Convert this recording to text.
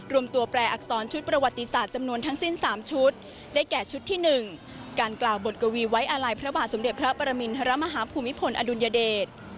รวมตัวแปลอักษรชุดประวัติศาสตร์จำนวนทั้งสิ้น๓ชุดได้แก่ชุดที่๑การกล่าวบทกวีไว้อาลัยพระบาทสมเด็จพระปรมินทรมาฮาภูมิพลอดุลยเดช